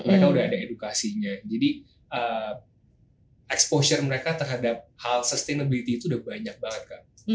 mereka udah ada edukasinya jadi exposure mereka terhadap hal sustainability itu udah banyak banget kak